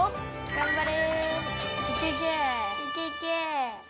頑張れ。